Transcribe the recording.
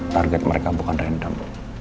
target mereka bukan random